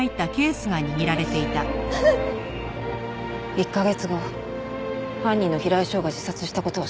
１カ月後犯人の平井翔が自殺した事を知りました。